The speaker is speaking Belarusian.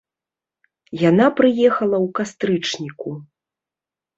Яна прыехала ў кастрычніку.